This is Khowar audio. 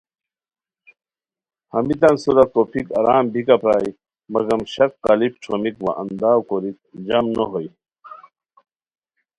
ہمیتان سورا کھوپیک آرام بیکہ پرائے مگم شک قالیپ ݯھومیک وا انداؤ کوریک جم نو ہوئے